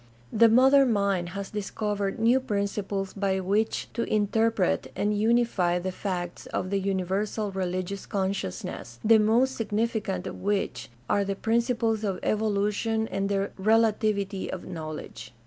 The modern mind has discovered new principles by which to interpret and unify the facts of the universal religious consciousness, the most significant of which are the principles of evolution and of the relativity of knowledge.